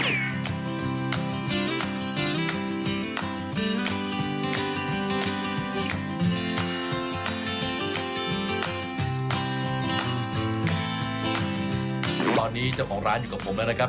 ตอนนี้เจ้าของร้านอยู่กับผมแล้วนะครับ